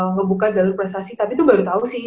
ngebuka jalur prestasi tapi tuh baru tau sih